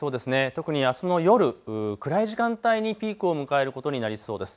特にあすの夜、暗い時間帯にピークを迎えることになりそうです。